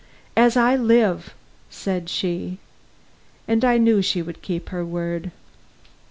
"As I live!" said she. And I knew she would keep her word.